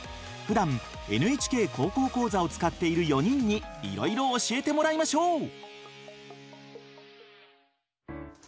ふだん「ＮＨＫ高校講座」を使っている４人にいろいろ教えてもらいましょう！